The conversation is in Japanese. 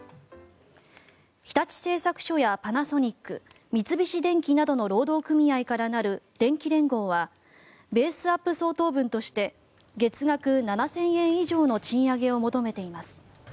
日立製作所やパナソニック三菱電機などの労働組合からなる電機連合はベースアップ相当分として月額７０００円以上の賃上げを求めています。